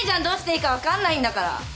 どうしていいか分かんないんだから！